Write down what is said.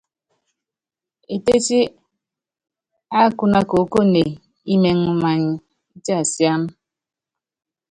Etétí ákúna koókoné imɛŋ many itiasiám.